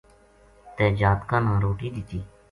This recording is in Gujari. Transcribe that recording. تے جاتکاں نا روٹی دتی